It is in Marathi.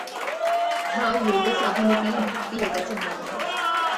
हा योगसाधनेतील भक्तियोगाचा भाग आहे.